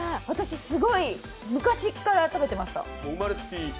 私、すごい昔から食べてました。